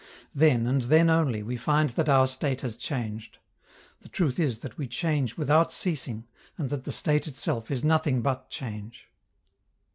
Then, and then only, we find that our state has changed. The truth is that we change without ceasing, and that the state itself is nothing but change.